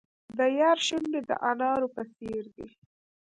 د یار شونډې د انارو په څیر دي.